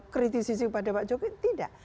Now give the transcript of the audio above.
kritisi kepada pak jokowi tidak